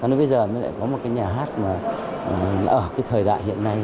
cho nên bây giờ mới lại có một cái nhà hát mà ở cái thời đại hiện nay